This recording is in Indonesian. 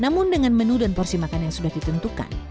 namun dengan menu dan porsi makan yang sudah ditentukan